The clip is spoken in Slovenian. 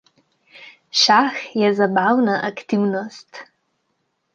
Šah je zabavna aktivnost.